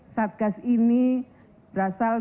satgas ini berasal dari